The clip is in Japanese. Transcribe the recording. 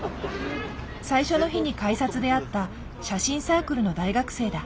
最初の日に改札で会った写真サークルの大学生だ。